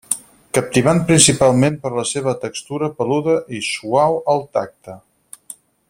Captivant principalment per la seva textura peluda i suau al tacte.